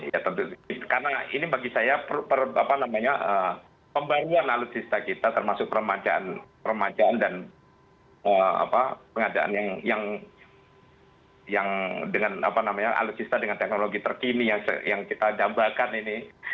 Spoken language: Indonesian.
ya tentu karena ini bagi saya pembaruan alutsista kita termasuk permajaan dan pengadaan yang dengan alutsista dengan teknologi terkini yang kita dambakan ini